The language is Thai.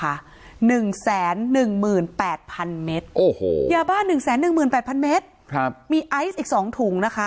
อายาบาร์๑๑๑๐๐๐๐๐เม็ดมีไอสอีกสองถุงนะคะ